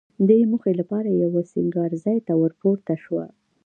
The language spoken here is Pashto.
دې موخې لپاره یوه سینګار ځای ته ورپورته شوه.